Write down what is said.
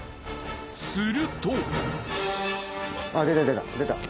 すると。